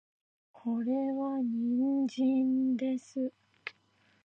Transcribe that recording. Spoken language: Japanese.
これは人参です